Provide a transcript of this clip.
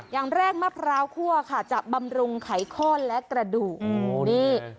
อย่างแรกมะพร้าวคั่วค่ะจะบำรุงไขข้อนและกระดูกนี่